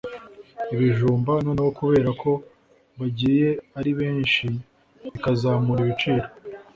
ibijumba… noneho kubera ko bagiye ari benshi bikazamura ibiciro